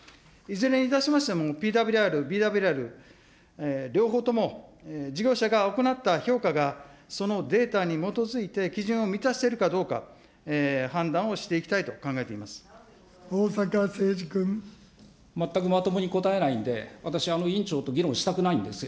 いずれにいたしましても、ＰＷＲ、ＢＷＲ、両方とも、事業者が行った評価がそのデータに基づいて、基準を満たしているかどうか、判逢坂誠二君。全くまともに答えないんで、私、委員長と議論したくないんですよ。